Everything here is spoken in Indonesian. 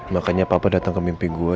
makanya papa datang ke mimpi gue